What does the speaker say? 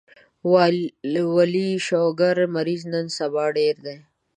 ولي شوګر مريضي نن سبا ډيره ده